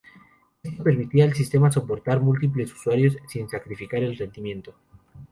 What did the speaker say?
Esto permitía al sistema soportar múltiples usuarios sin sacrificar el rendimiento.